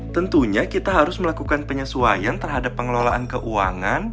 tentunya kita harus melakukan penyesuaian terhadap pengelolaan keuangan